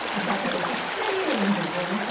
だから知ってるんですよね。